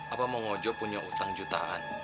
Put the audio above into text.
apa bang ojo punya utang jutaan